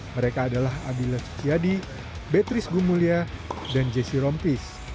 mereka adalah adila ciciadi beatrice gumulya dan jesse rompis